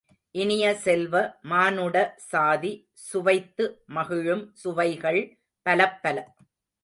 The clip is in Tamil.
இனிய செல்வ, மானுட சாதி சுவைத்து மகிழும் சுவைகள் பலப்பல.